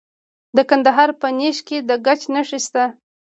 د کندهار په نیش کې د ګچ نښې شته.